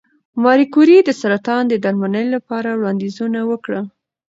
ماري کوري د سرطان د درملنې لپاره وړاندیزونه وکړل.